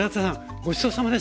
ごちそうさまでした。